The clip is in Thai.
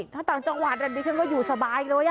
ได้ต่างจังหวัดอันดิชั่นก็อยู่สบายเลยอ่ะ